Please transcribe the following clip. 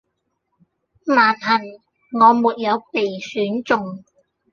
萬幸我沒有被選中